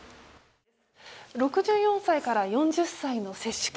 ６４歳から４０歳の接種券